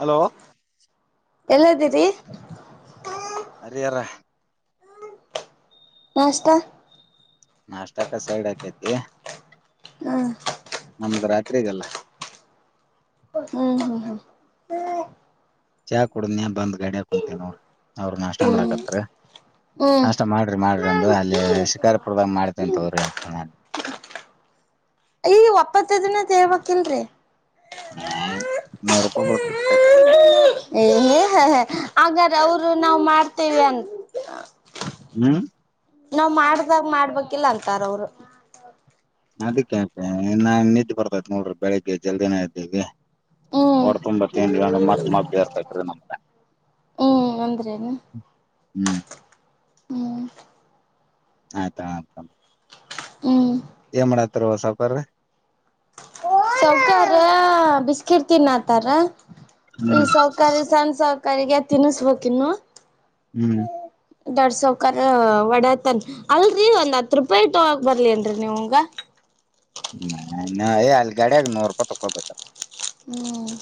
Hello ಎಲ್ಲ್ದೀರಿ ಹರಿಿಯರ ನಾಷ್ಟತಾ ನಾಷ್ಟಕ ಸೈಡ್ ಹಕೈತಿ ಹ್ಮ್ ನಮಗ್ ರಾತ್ರಿಗಲ್ಲ ಹ್ಮ್ ಹ್ಮ್ ಚಾಕ್ ಕುಡುದನಯ ಬಂದ್ ಗಾಡಿಯ ಕುಂತೀ ನೋ ಅವ್ರ ನಾಷ್ಟ ಹ್ಮ್ ಮಾಡಕತ್ರ ಹ್ಮ್ ಹ್ಮ್ ಅಷ್ಟ ಮಾಡ್ರಿ ಮಾಡ್ರಿ ಅಲ್ಲಿ ಶಿಕಾರಪುರದ ಮಾಡ್ತೀನ ತವ್ರಿ ಅಂತ ನಾನು ದೇವಕ್ಕಲ್ರೀ ಹ ನೂರು ರೂಪಾಯ ಕೊಡ್ತಕ್ಕ ಹ ಹ ಹಾಗಾದ ಅವರು ನಾವವು ಮಾಡ್ತೇವಿ ಅಂತ ಹ್ಮ್ ನಾವ್ ಮಾಡ್ದಾಗ ಮಾಡ್ಬೇಕಿಲ್ಲ ಅಂತಾರ ಅವರು ಅದಕ್ಕೆತ ಇ ನಾನ್ ನಿಿದ್ದೆ ಬರ್ತ್ತ್ ನೋಡ್ರಿ ಬೆಳಿಗ್ಗೆ ಜಲ್ದಿನ ಇದ್ದೇವಿ ಹ್ಮ್ ಹೊಡ್ ತುಂಬಾತ್ತೇ ಚೇರ್ತಟ್ಟರು ನಮ ಹ್ಮ್ ಅಂದ್ರೇನು ಹ್ಮ್ ಹ್ಮ್ ಹಾ ತ ಹ್ಮ್ ಎಮಳ ತವ ಸಪರ್ ರ ಸೌಕಾರ ಬಿಸ್ಕಿಟ್ ತಿನ್ನಾತಾರ ಈ ಹ್ಮ್ ಸರ್ಕಾರಿ ಸಣ ಸ ಕರಿಗ ತಿನ್ನಿಸಬೇಕಕ್ ಇನ್ನು ಹ್ಮ್ ಎರಡ್ ಸಾವ ಕರ ಒಡತನ್ ಅಲ್ರರಿ ಒಂದ್ ಹತ್ ರೂಪಾಯಿ ಇಟ್ಟ ಬರ್ಲಿನ್ರರಿ ನೀವಗ ಹ್ಮ ಇ ಏ ಅಲ್ಗಡಿಯಾಗ ನೂರ್ ರೂಪಾಯಿ ತಕೊಬೇಕೇಾರ ಹ್ಮ್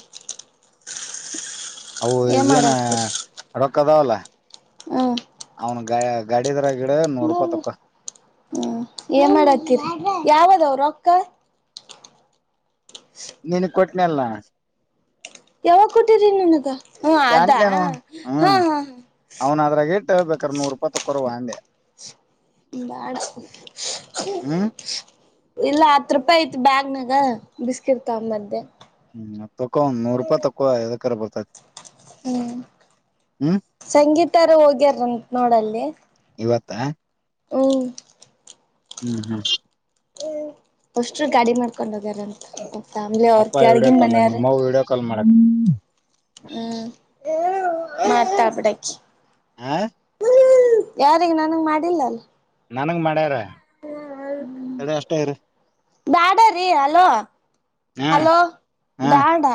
ಅವು ಏನ್ ಈಗೇನ ಮಾಡಾಕತ್ತೀರಿ ರೊಕ್ಕ ಅದಾವಲ್ಲ [inaudible] ಹ್ಮ್ ಅವ್ನು ಗ ಗಾಿದ ಹ್ಮ ಏನ್ ಮಾಡತೀರಿ ಯಾವದವರು ರೊಕ್ಕ ನೀನ್ ಕೊಟ್ಟ ನಲ್ಲ ಯಾವಾಗ ಕೊಟ್ಟಿರಿ ನನಗ ಹಾ ಅದಾ ಪ್ಯಾಂಟ್ನೇನು ಹಾ ಹ್ಮ್ ಹಾ ಹ ಅವ್ನ್ ಅದ್ರಾಗ ಇಟ್ಟ ಬೇಕಾರ ನೂರ್ ರೂಪಾಯಿ ತಕೋರುವ ಅಂದೆ ಬ ಹ್ಮ್ ಇಲ್ಲ ಹತ್ ರೂಪಾಯಿ ಐತ್ ಬ್ಯಾಗ್ನಾಗ ಬಿಸ್ಕಿಟ್ ತ ಮದ್ದೆ ಹ್ಮ ತೊ ಒಂದ ನೂರು ರೂಪಾಯಿ ತೋ ಕರ ಬರ್ತತಿ ಹ್ಮ್ ಹ್ಮ್ ಸಂಗೀತಾರ ಹೋಗ್ಯಾರ ನೋಡಲ್ಲಿ [inaudible] ಹ್ಮ್ ಹ್ಮ್ ಹ್ಮ್ ಅಷ್ಟರು ಗಾಡಿ ಮಾಡ್ಕೊಂಡ್ ಹೋಗ್ಯಾರ ಅಂತ ಫ್ಯಾಮ್ಲಿ ಅವ್ರ ಕೆಳಗಿನ ಮನೆಯಾರ ಹ್ಮ್ [unintelligible] [inaudible] ಮಾತಬಡಕ್ಕೆ ಯಾರಿಗೆ ನನಂಗ ಮಾಡಿಲ್ಲ ಅಲ್ಲ ನನ್ಂಗ ಮಾಡ್ಯಾರ ಹ್ಮ ತಡಿ ಅಷ್ಟೇ ಇರು ಬಾಡ ರೀ ಹಲೋ ಹಾ ಹಲೋ ಹಾ ಡಾಟಾ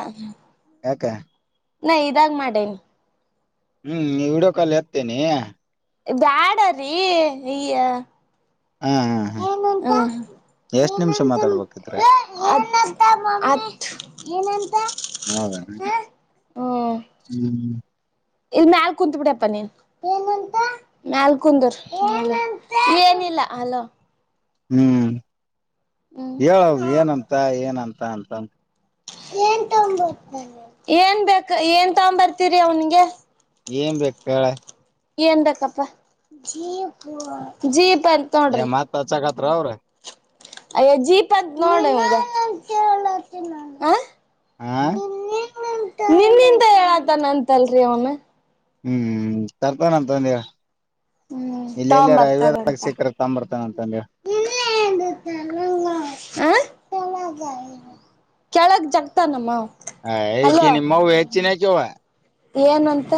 ಯಾಕ ನಾ ಇದಾಗ ಮಾಡೇನ ಹ್ಮ್ ನೀ ಹಡೋಕಾಲ ಹತ್ತೇನಿ ಬ್ಯಾಡ್ರೀ ಈಯ ಹಾ ಹಾ ಏ ಎಷ್ಟ್ ನಿಮಿಷ ಮಾತಾಡ್ಬೇಕಿದ್ರ ಏನಂತ ಹೌದಣ ಹ್ಮ ಹ್ಮ್ ಇಲ್ ಮ್ಯಲ್ ಕುತ್ ಬಿಿಡಪ್ಪ ನೀನ್ ಮ್ಯಲ್ ಕುಂದರ ಏನಿಲ್ಲ ಅಲ ಹ್ಮ್ ಹೇಳ ಹ್ಮ್ ಏನಂತ ಏನಂತ ತನ್ ತನ್ ಏನ್ ಏನ್ ಬೇಕ ಏನ್ ತಗಂಬರ್ತೀರಿ ಅವನ್ಿಗೆ ಏನ್ ಬೇಕಳ ಏನ್ಕ್ಕಪ್ಪ ಜೀ ಎ ಮತ್ತತ್ ಚ ತ್ರ ಅವ್ರ ಅಯ್ಯ ಜೀಪದ ನೋ ಆ ನಿನ್ಿಂತ ಹೇಳತ ನಂತಲ್ರಿ ಒಮ್ಮೆ ಹ್ಮ್ ತರ್ತನ ಅಂತಂದರ ಹ್ಮ್ ತಗ ಬರ್ತಾರಂತ ಸಿಕ್ಕ್ರ ತಂಬರ್ತಾನ ಅಂತಂದೇವ ಕೆ ಕೆಳಗ್ ಜಗ್ತಾನಮ್ಮ ಹ ಏಕ ನಿಮ್ಮವು ಹೆಚ್ಚಿನಕವಾ ಏನ್ಂತ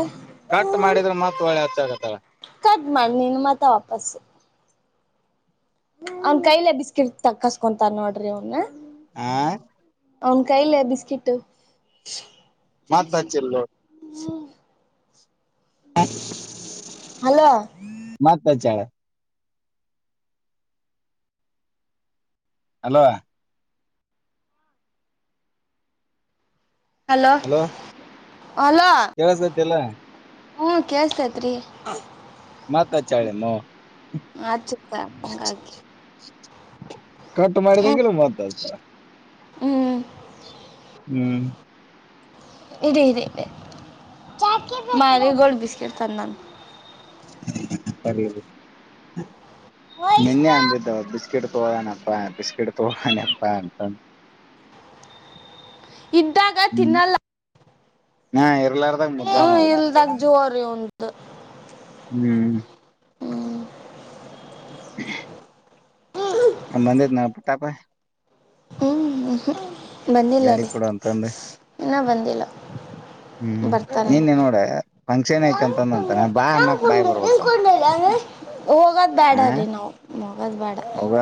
ಹಾ ಕದ್ ಮಾಡಿ ನೀನು ಮತ್ತ ವಾಪಸು ಅವನ್ ಕೈಲೆ ಬಿಸ್ಕಿಟ್ ತಕಸ್ಕೊಂತಾರ್ ನೋಡ್ರಿ ಅವನ ಆ ಅವನ್ ಕೈಲ್ಲ ಬಿಸ್ಕಿಟ್ ಮಾತ್ಾಚಲ್ಲ ಹ ಹಲೋ ಮತ್ತ ಚಳ ಹಲೋ ಹಲೋ ಅಲೋ ಕೆಲಸತಿ ಎಲ್ಲ ಹ್ಮ ಕೇಳ್ಸ್ತತ್ರಿ ಮಾತಾ ಚಳೆ ನ ಆ ಚ ಸ ಹಂಗ ಕಟ್ ಮಾಡಿದ ಕೆಲ ಮತ್ತ ಹ್ಮ್ ಹ್ಮ್ ಇದೆ ಇದೆ ಇ ಗೋಲ್ಡ್ ಬಿಿಸಕಿಟ್ ತಂದ ಅರಿ ನಿನ್ನೆ ಅಂದಿದ್ದವ ಬಿಸ್ಕಿಟ್ ತಗೋಾನಪ್ಪಾ ಬಿಸ್ಕಿಟ್ ತಗೋಣಪ್ಪಾ ಅಂತ ಇದ್ದಾಗ ಹ್ಮ್ ತಿನ್ನಲ್ಲ ಹಾ ಎಲ್ಲಾರದಾಗ ಹ್ಮ ಮುದ್ದಾಮದು ಇಲ್ದಾಗ ಜೋರಿ ಉಂದು ಹ್ಮ್ ಹ್ ನ ಬಂದ ನ ಪುಟ್ಟಾಪಾಯ ಹ್ಮ್ ಬಂದಿಲ್ಲ ಗಾಡಿ ರೀ ಕೂಡ ಅಂತ ಅಂದೆ ಇನ್ನ ಬಂದಿಲ್ಲ ಹ್ಮ್ ಬರ್ತಾನೆ ನೀನ್ನೇ ನೋಡ ಫಂಕ್ಷನ್ ಐತೆ ಅಂತಂದಂತ ನ ಬಾ ಅನ್ನಕ್ ಬಾಯಿ ಬರಬಲ್ತವ ಹೋಗೋದ್ ಬೇಡ ಅವಂಗ ರೀ ನಾವು ಹೋಗೋದ್ ಬೇಡ ಆ ಹೋಗ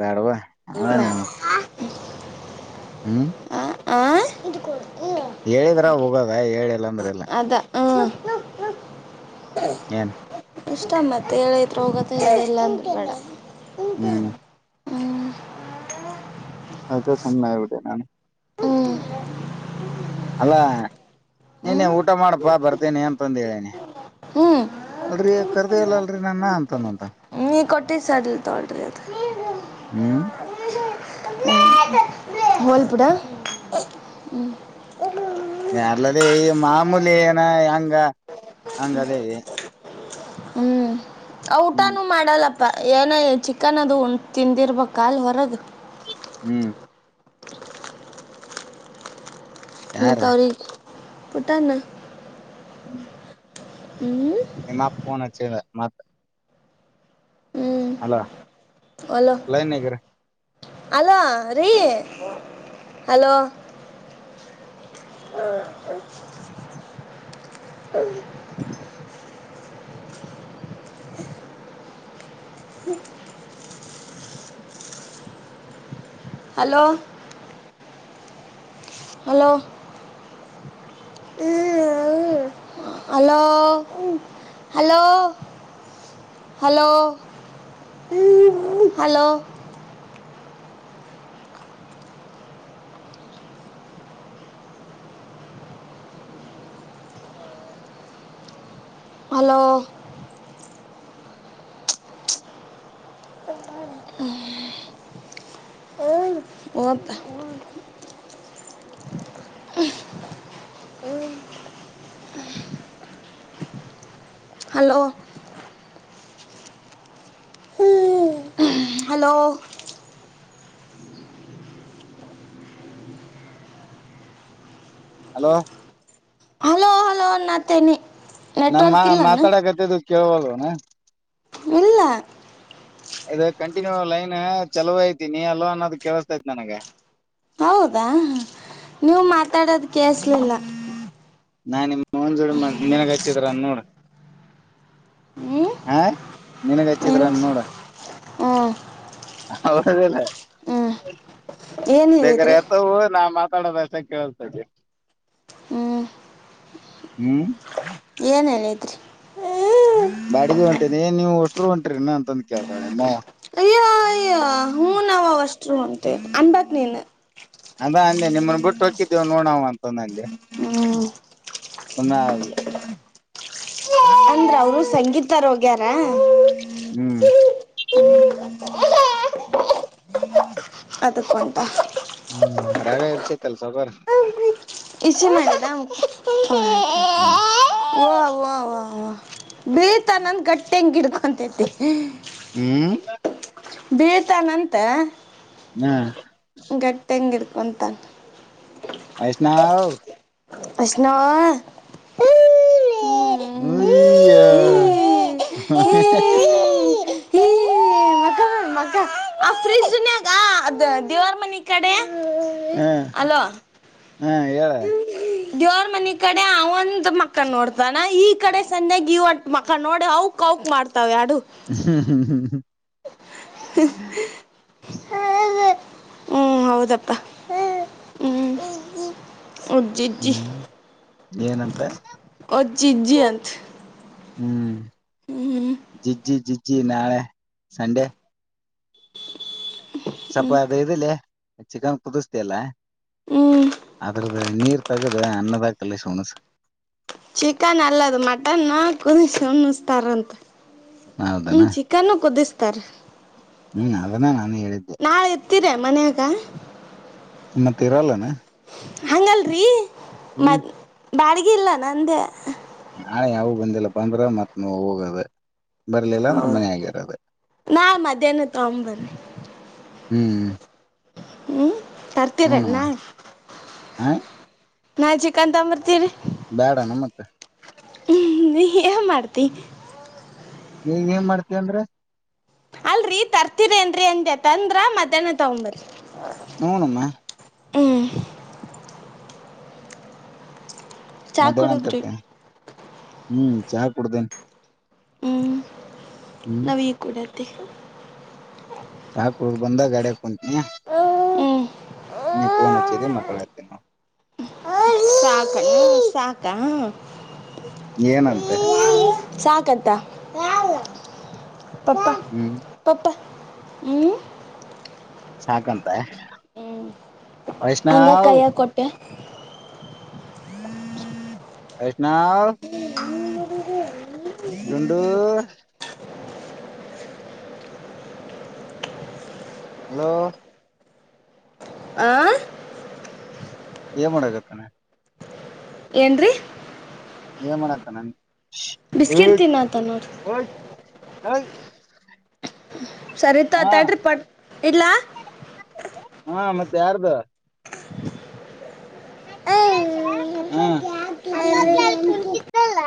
ಬ್ಯಾಡವಾ ಅವೆನ್ ಹ [inaudible] ಹ್ಮ್ ಆ ಹೇಳಿದ್ರ ಹೋಗದ. ಭೈ ಜೇಳಲಿಲ್ಲ ಅಂದ್ರ ಇಲ್ಲ ಅದ ಹಾ, ಹ್ಮ ಹ್ಮ. ಏನ್ ಇಷ್ಟ ಮತ್ತೆ ಹೇಳಿದ್ರ ಹೋಗದೇ ಹೇಳಿಲ್ಲ ಅಂದ್ರೆ ಬೇಡ. ಹಂತ ಹ್ಮ್ ಹ್ಮ್ ಅದ ಸುಮ್ನ ಆಗಿ ಬಿಟ್ಟನ ನಾನ್. ಹ್ಮ ಅಲ್ಲಾ ನೀನೇ ಊಟ ಮಾಡಪಾ ಬರ್ತೇನಿ ಅಂತಂದೇ ಹ್ಮ್ ಅಲ್ರರಿ ಕರ್ದೇ ಇಲ್ಲ ಅಲ್ರರಿ ನನ್ನ ಅಂತಂದಂತ. ನಿ ಕೋಟ್ಟಿದ ಸಡ್ಲ ತಗೊಳ್ತದೆ ಅಂತೇ. ಹ್ಮ್ ಹೋಗ್ಲ ಬಿಡ ಹ್ಮ. ಯಾರ್ಲದೇ ಈ ಮಾಮೂಲಿ ಏನ ಹೆಂಗ ಹಂಗದೇ ಇದೆ. ಹ್ಮ್ ಔ ಊಟಾನೂ ಮಾಡಲ್ಲ ಪ ಏನೋ ಚಿಕ್ಕನ್ ಅದು ತಿಂದಿರ್ಬೇಕ ಅಲ್ಲಿ ಹೊರಗ, ಹ್ಮ್ ಯಾರ ಮತ್ತ ಅವ್ರಿಗಿ ಪುಟ್ಟಣ್ಣ ಹ್ಮ್ ನಿಮ್ಮಪ್ಪ ಫೋನ್ ಹಚ್ಚಿದ. ಮತ್ತ ಹ್ಮ್ ಅಲ್ಲ ಲೈನ್ಯಾಗ್ ಇರ್ರ. ಹಲೋ ರೀ ಹಲೋ ಹ್ಮ್ ಹ್ಮ hello hello hello hello hello hello. Hello hello ಹ್ಮ ಹಲೋ. ಹಲೋ ಹಲೋ ಹಲೋ ಅಣ್ಣಾತೈನಿ ನನ್ನ ಮಾವ ಮಾತಾಡಕತ್ತಿದ್ದನು. ಕೇಳುತ್ತಾ ಇಲ್ಲ ಏನು? ಇಲ್ಲ. ಇದು ಲೈನ್ ಚೆನ್ನಾಗೈತೆ ನೀನೇ ಹೇಳೋದು ಹೇಳುತ್ತಾ ಇದೆ. ಹೌದಾ... ನೀವು ಮಾತಾಡೋದು ಕೇಳಿಸುವುದು ಇಲ್ಲ. ನಾನು ನಿಮ್ಮ ಮಾಂಜಿಗೆ ಹಾಕಿದ್ದೆ ನಿನಗೆ ಹಚ್ಚಿದಾರ ನೋಡು.? ಹ್ಞೂ ಹಾ... ನಿನಗೆ ಏನು ಹಚ್ಚಿದರ ನೋಡು? ಹ್ಞೂ ಹೌದಲ್ಲ... ಹ್ಞೂ ಏನು ಬೇಗ ಹೇಳಿದ್ರಿ ಎತ್ತಾ ಹೋಗೋದು ಮತ್ತೆ? ಮಾತಾಡದ ಅಷ್ಟೇ ಕೇಳಿಸುತ್ತದೆ. ಹ್ಞೂ ಹ್ಮ್.. ಏನು ಹೇಳಿದಿರಿ? ಬ್ಯಾಡಿಗೆ ಹೋಗುತ್ತಿದ್ದೇನೆ, ಇವೆಲ್ಲ ಹೋಗುತ್ತಿದ್ದೀರಾ ಅಂತ ಕೇಳುತ್ತಿದ್ದಾಳೆ ನಿಮ್ಮವ್ವ? ಹೂಯವ್ವ ನಾವೆಲ್ಲ ಹೋಗುತ್ತೇವೆ ಅಷ್ಟು ಹೇಳಬೇಕು ನೀನು? ಅಂದ ಅಂದೇ ನಿಮ್ಮನ್ನು ಬಿಟ್ಟು ಹೋಗುತ್ತಿದ್ದೇವೆ ನೋಡು. ಹೂ ಅಂದೆ. ಹ್ಮ್.. ಸುಮ್ಮನೆ ಆದಳು. ಅಂದರೆ ಅಂದ್ರು ಸಂಗೀತರು ಹೋಗಿದ್ದಾರೆ? ಹ್ಮ್.. ಹ ಹಹ್.. ಅದು ಕೊಟ್ಟ. ಸೌಕಾರ. ಬಿಸಿಮಾಡು. ಹ್ಮ್ ಆಹಾ... ಬೀಳ್ತೈತಂತ ಗೆಟ್ಟಾಗ ಹಿಡಿದುಕೊಂಡಿದೆ. ಹೂಮ್.... ಬೀಳುತ್ತಾನಂತೆ. ಹಾ.. ಕುಂತಾನೆ. ವೈಷ್ಣವ ವೈಷ್ಣವ ಓ... ಹೆ... ಯಾ.... ಆ.. ಆ... ಮಗ ಮಗ ದೇವರ ಮನೆ ಕಡೆ ಆ ಫ್ರಿಜ್ಜಿನಲ್ಲಿ. ಹೂ... ಹೂ... ಹೇಳು? ದೇವರ ಮನೆ ಕಡೆ ಆ ಒಂದು ಮೂಖ ನೋಡುತ್ತಾನೆ, ಈ ಕಡೆ ಸಂಜೆ ಈ ಒಟ್ಟು ಮೂಖ ನೋಡಿ ಅವಕ್ ಅವಕ್ ಅಂತ ಎರಡು ಮಾಡುತ್ತಾವೆ. ಹ್ಮ್... ಹ್ಮ.. ಹ್ಮ್... ಹ್ಮ... ಹಾ... ಹೂ.... ಹೌದಪ್ಪ ಹೂ... ಹ್ಮ್ ಏನಂತ ಜಿಜಿಯಂಂತ ಹ್ಮ್ ಜಿ ಜಿ ಜಿ ಜಿ ನಾಳೆ ಸಂಡೆ ಸ್ವಲ್ಪ ಹ್ಮ್ ಅದ ಇಿಲ್ಲ ಚಿಕನ್ ಕುದಸ್ತ ಅಲ್ಲಾ ಹ್ಮ್ ಆಗ್ರ ಅ ನೀರ್ ತಗದು ಅನ್ನದಾಕಲ್ಲ ಶ ಹಣಸ ಚಿಕನ್ ಅಲ್ಲದು ಮಟನ್ ಕುದಸನ್ನ್ತಾರಂತ ಹ್ಮ್ ಹೌದನಾ ಚಿಕಾನಕ್ಕೂದ ಉತ್ತ ಹ್ಮ್ ಅದನ್ನ ನಾನು ಹೇಳಿದ್ದೆ ಕತರ ಮನೆಯಗ ಮತ್ತೆ ಇರಲ್ಲಾನ ಹಂಗಲ್ರಿ ಮ ಹ್ಮ್ ಬಾಡಿಗೆ ಇಿಲ್ಲ ನನ್ನೇ ನಾಳೆ ಯಾವ ಬಂದಿಲ್ಲ ಬಂದ್ರ ಮತ್ ನ ಹೋಗದ ಬರಲಿಲ್ಲ ನರ್ಮನೆ ಆಗಿರದು ನಾ ಮಧ್ಯಾಹ್ನ ತಗೊಂಬ ಬನ್ನಿ ಹ್ಮ್ ಹ್ಮ್ ತರ್ತೀರನ್ನ ಹೂನವ ಹ ನಾನ್ ಚಿಕನ್ ತಂಬರ್ತೀರಿ ಬೇಡಣ ಮತ್ತೆ ಇ ಮಾಡತಿ ನೀ ಏನ್ ಮಾಡ್ತಂದ್ರೆ ಅಲ್ರರಿ ತರ್ತಿರೇನ್ರರಿ ಅಂತೆತಂದ್ರ ಮಧ್ಯಾಹ್ನ ತಗೊಂಬ್ರಿ ಹೂನುಮ್ಮ ಹ್ಮ್ ಚಾ ಮಧ್ಯಾಹ್ನ ಕುಡುದ್ರಿ ಅಂತತೆ ಹ್ಮ್ ಚಾ ಕೊಡದ ಹ ನವ ಕೂಡರ್ [inaudible] [inaudible] ಹಾ ಕುಡ ಬಂದ ಗಡೆ ಹ್ಞೂ ನೀನ್ಚದೇ ಮ ಪ್ರತಿನ ಸಾಕ ಹ ಸಾಕಾ ಏನಂತೆ ಸಾ ಕತ್ತ ಪಪ್ಪ ಹ್ಮ್ ಪಪ್ಪ ಹ್ಮ ಸಾಗಲ್ ಹ್ಮ್ ಹಂಗ ವೈಷ್ಣವ್ ಕೈಯ ಕೊಟ್ಟೆ ಆಯ ನಾವು ುಂಡು ಹಲೋ ಆ ಏ ಮಾಡಾಗತ್ತಾನೆ ಏನ್ರಿ ಇದ ಮಾಡತ್ತ ನನ್ ಬಿಸ್ಕಿಟ್ ತಿಿನ ತನ್ನೋಡಿ ಹ ಸರಿತತಾಡ್ರಿ ಪ ಇಡ್ಲ್ಲ ಹಾ ಮತ್ತೆ ಯಾರ್ದ ಹ್ಮ ಹಾ ಎ ಕ